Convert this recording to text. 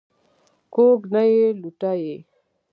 کوږ نه یې لوټه یې.